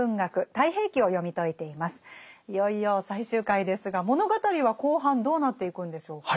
いよいよ最終回ですが物語は後半どうなっていくんでしょうか？